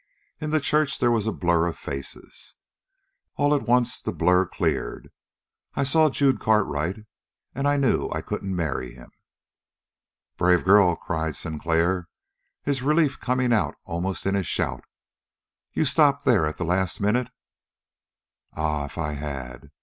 In the church there was a blur of faces. All at once the blur cleared. I saw Jude Cartwright, and I knew I couldn't marry him!" "Brave girl!" cried Sinclair, his relief coming out in almost a shout. "You stopped there at the last minute?" "Ah, if I had!